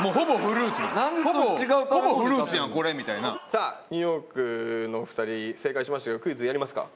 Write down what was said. さあニューヨークのお二人正解しましたけどクイズやりますか？